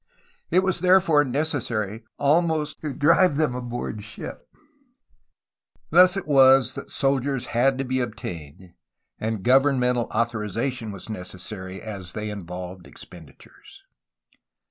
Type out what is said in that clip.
It was therefore necessary almost to drive them aboard ship. Thus it was that soldiers had to be obtained, and governmental authorization was necessary, as they involved expenditures.